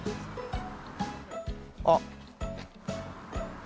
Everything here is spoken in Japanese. あっ。